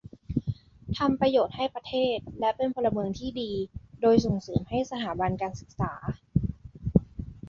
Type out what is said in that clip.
ทำประโยชน์ให้ประเทศ และเป็นพลเมืองที่ดี โดยส่งเสริมให้สถาบันการศึกษา